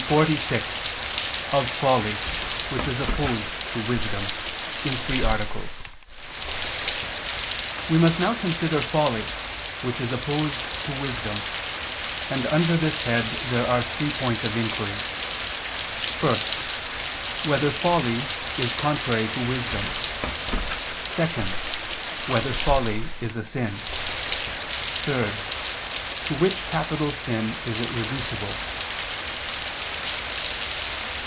_______________________ QUESTION 46 OF FOLLY WHICH IS OPPOSED TO WISDOM (In Three Articles) We must now consider folly which is opposed to wisdom; and under this head there are three points of inquiry: (1) Whether folly is contrary to wisdom? (2) Whether folly is a sin? (3) To which capital sin is it reducible?